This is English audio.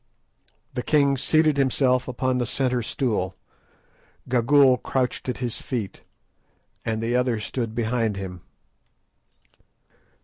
The king seated himself upon the centre stool, Gagool crouched at his feet, and the others stood behind him.